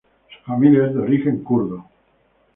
Su familia es de origen kurdo.